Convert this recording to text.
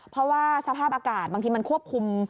เพราะว่าสภาพอากาศบางทีมันควบคุม